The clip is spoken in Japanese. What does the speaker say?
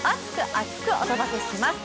厚く！お届けします。